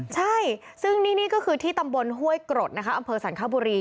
ใช่ซึ่งนี่นี่ก็คือที่ตำบลห้วยกรดนะคะอำเพิร์ชศัลครับบุรี